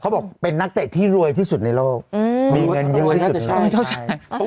เขาบอกเป็นนักเตะที่รวยที่สุดในโลกอืมมีเงินเยอะที่สุดในโลกอืมเจ้าชาย